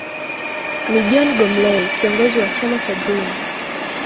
ni john gomley kiongozi wa chama cha green